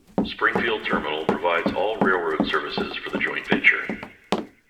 Springfield Terminal provides all railroad services for the joint venture.